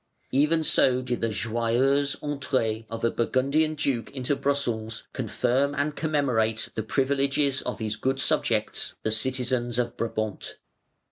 Even so did the Joyeuse Entrée of a Burgundian duke into Brussels confirm and commemorate the privileges of his good subjects the citizens of Brabant.